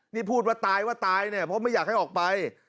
นี่พูดว่าตายว่าตายเนี่ยเพราะไม่อยากให้ออกไป